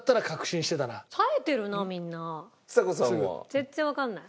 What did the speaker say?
全然わかんない。